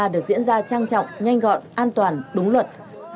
được diễn ra trang trọng nhanh gọn an toàn đúng luật